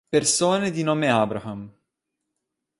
Persone di nome Abraham